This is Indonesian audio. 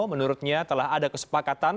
menurutnya telah ada kesepakatan